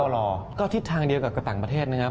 รอก็ทิศทางเดียวกับต่างประเทศนะครับ